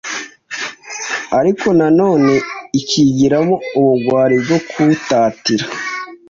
ariko na none ikigiramo ubugwari bwo kuwutatira